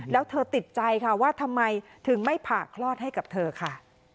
แล้วเธอติดใจค่ะว่าทำไมถึงไม่ผ่าคลอดให้กับเธอค่ะ